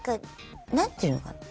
何ていうのかな